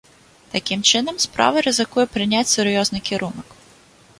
Такім чынам, справа рызыкуе прыняць сур'ёзны кірунак.